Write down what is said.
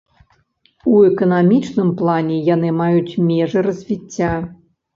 У эканамічным плане яны маюць межы развіцця.